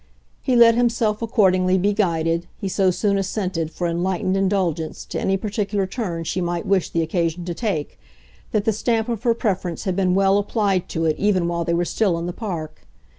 He let himself accordingly be guided; he so soon assented, for enlightened indulgence, to any particular turn she might wish the occasion to take, that the stamp of her preference had been well applied to it even while they were still in the Park.